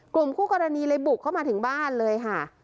กลุ่มคู่กรณีเลยบุกเข้ามาถึงบ้านเลยค่ะ